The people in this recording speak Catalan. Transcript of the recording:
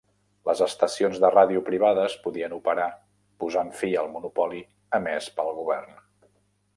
Les estacions de ràdio privades podien operar, posant fi al monopoli emès pel govern.